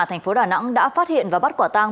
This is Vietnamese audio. thành phố đà nẵng đã phát hiện và bắt quả tang